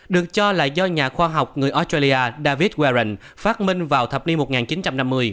được cho là do nhà khoa học người australia david warren phát minh vào thập niên một nghìn chín trăm năm mươi